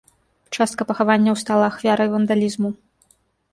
Частка пахаванняў стала ахвярай вандалізму.